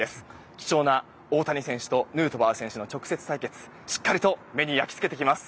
貴重な大谷選手とヌートバー選手の直接対決、しっかりと目に焼き付けてきます。